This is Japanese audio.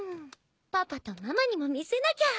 パパとママにも見せなきゃ。